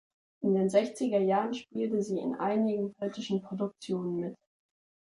In den sechziger Jahren spielte sie in einigen britischen Produktionen mit.